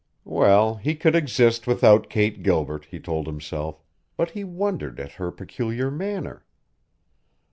Well, he could exist without Kate Gilbert, he told himself, but he wondered at her peculiar manner.